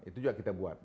itu juga kita buat